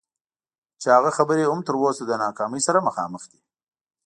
چې هغه خبرې هم تر اوسه د ناکامۍ سره مخامخ دي.